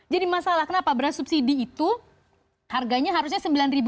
jadi masalah kenapa beras subsidi itu harganya harusnya rp sembilan